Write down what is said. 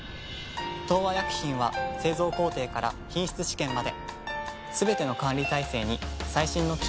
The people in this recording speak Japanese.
東和薬品は製造工程から品質試験まですべての管理体制に最新の機器や技術を導入。